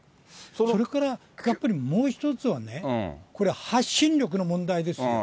それからやっぱり、もう１つはね、これ、発信力の問題ですよ。